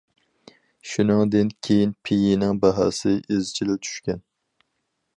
شۇنىڭدىن كېيىن، پېيىنىڭ باھاسى ئىزچىل چۈشكەن.